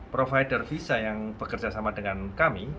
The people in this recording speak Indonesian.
provider visa yang bekerja sama dengan kami